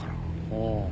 ああ。